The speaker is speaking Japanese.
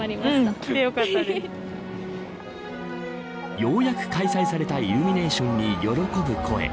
ようやく開催されたイルミネーションに喜ぶ声。